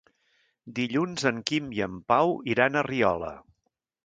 Dilluns en Quim i en Pau iran a Riola.